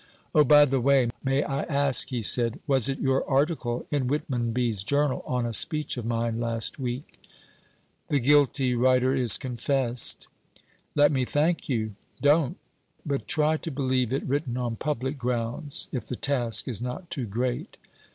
'Oh, by the way, may I ask?' he said: 'was it your article in Whitmonby's journal on a speech of mine last week?' 'The guilty writer is confessed.' 'Let me thank you.' 'Don't. But try to believe it written on public grounds if the task is not too great.'